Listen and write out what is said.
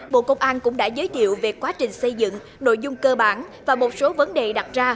bộ công an cũng đã giới thiệu về quá trình xây dựng nội dung cơ bản và một số vấn đề đặt ra